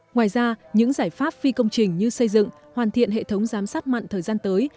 ngoài ra những giải pháp phi công trình như xây dựng hoàn thiện hệ thống giám sát mặn thời gian tới